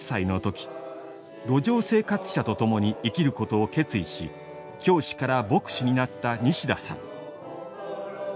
路上生活者と共に生きることを決意し教師から牧師になった西田さん。